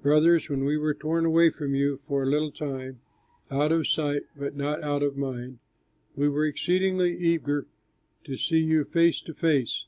Brothers, when we were torn away from you for a little time (out of sight but not out of mind!), we were exceedingly eager to see you face to face.